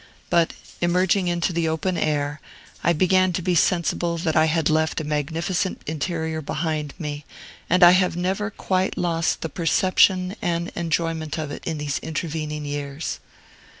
But, emerging into the open air, I began to be sensible that I had left a magnificent interior behind me, and I have never quite lost the perception and enjoyment of it in these intervening years.